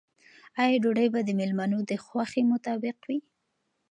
آیا ډوډۍ به د مېلمنو د خوښې مطابق وي؟